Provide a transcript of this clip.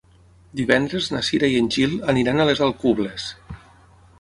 Divendres na Cira i en Gil aniran a les Alcubles.